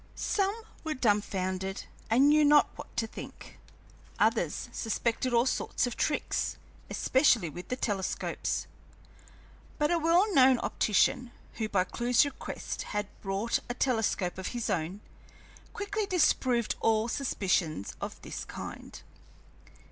Some were dumfounded and knew not what to think, others suspected all sorts of tricks, especially with the telescopes, but a well known optician, who by Clewe's request had brought a telescope of his own, quickly disproved all suspicions of this kind.